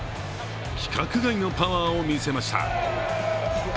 規格外のパワーを見せました。